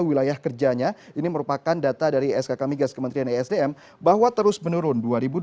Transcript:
wilayah kerjanya ini merupakan data dari skk migas kementerian isdm bahwa terus menurun